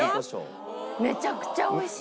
めちゃくちゃ美味しい！